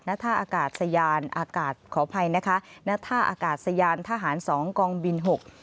ท่าอากาศยานอากาศขออภัยนะคะณท่าอากาศยานทหารสองกองบินหก